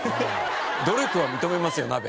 努力は認めますよなべ。